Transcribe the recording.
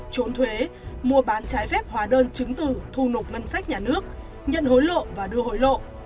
trốn thuế mua bán trái phép hóa đơn chứng từ thu nộp ngân sách nhà nước nhận hối lộ và đưa hối lộ